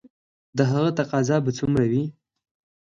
د هغه تقاضا به څومره وي؟